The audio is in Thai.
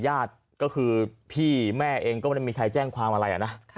ญาติก็คือพี่แม่เองก็ไม่ได้มีใครแจ้งความอะไรนะ